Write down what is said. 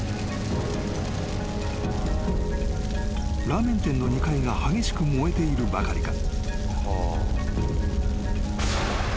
［ラーメン店の２階が激しく燃えているばかりか］